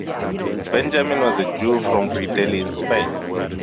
Benjamin was a Jew from Tudela in Spain.